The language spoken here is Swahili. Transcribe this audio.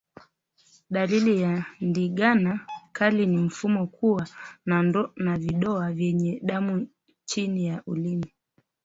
Dalili ya ndigana kali ni mfugo kuwa na vidoa vyenye damu chini ya ulimi